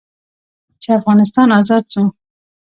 چې افغانستان ازاد سو.